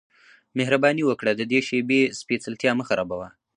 مهرباني وکړه د دې شیبې سپیڅلتیا مه خرابوه